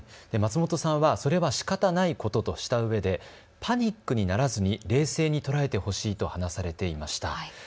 松本さんはそれはしかたないこととしたうえでパニックにならずに冷静に捉えてほしいと話されていました。